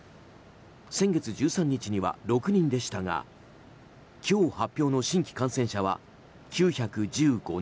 先月１３日には６人でしたが今日発表の新規感染者は９１５人。